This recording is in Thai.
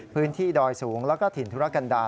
พื้นที่ดอยสูงแล้วก็ถิ่นธุรกรรดา